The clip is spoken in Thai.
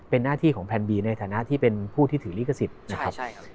เป็นหน้าที่ของแพนบีในฐานะที่เป็นผู้ที่ถือลิขสิทธิ์นะครับ